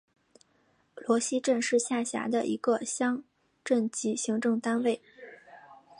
罗溪镇是下辖的一个乡镇级行政单位。